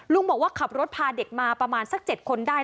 บอกว่าขับรถพาเด็กมาประมาณสัก๗คนได้